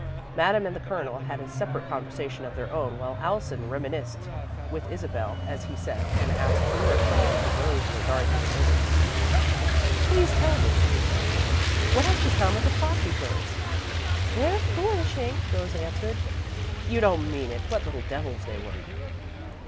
Madame and the Colonel had a separate conversation of their own, while Allison "reminisced" with Isabel, as he said, and asked numerous questions of Rose in regard to the neighbours. "Please tell me," he said, "what has become of the Crosby twins?" "They're flourishing," Rose answered. "You don't mean it! What little devils they were!"